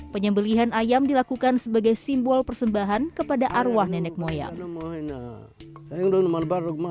penyembelian ayam dilakukan sebagai simbol persembahan kepada arwah nenek moyang